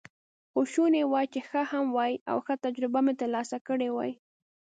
خو شوني وه چې ښه هم وای، او ښه تجربه مې ترلاسه کړې وای.